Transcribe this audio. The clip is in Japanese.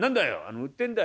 「売ってんだよ」。